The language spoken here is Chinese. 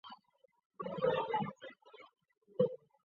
分区委员会的主席又成为民政区委员会的成员。